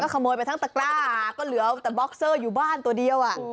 ขโมยไปทั้งตะกร้าก็เหลือแต่บ็อกเซอร์อยู่บ้านตัวเดียว